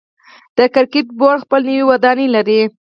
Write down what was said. د کرکټ بورډ خپل نوی ودانۍ لري.